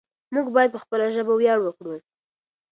موږ بايد په خپله ژبه وياړ وکړو.